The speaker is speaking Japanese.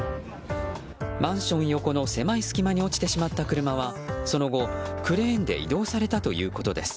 マンション横の狭い隙間に落ちてしまった車はその後、クレーンで移動されたということです。